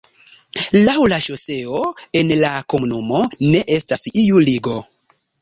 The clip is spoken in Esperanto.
Laŭ la ŝoseo en la komunumo ne estas iu ligo.